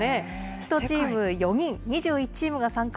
１チーム４人、２１チームが参加。